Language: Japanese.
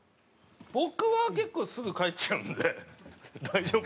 僕は結構すぐ帰っちゃうんで大丈夫なんですけど。